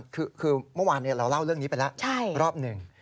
คือเมื่อวานเราเล่าเรื่องนี้ไปแล้วรอบหนึ่ง